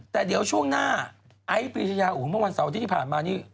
แต่เดี๋ยวช่วงหน้าไอ้ปริชญาอุ๋งวันเสาร์ที่ผ่านมานี่